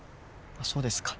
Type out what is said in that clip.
そうですか。